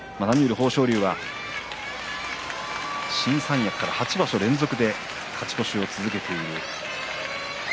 豊昇龍は新三役から８場所連続で勝ち越しを続けています。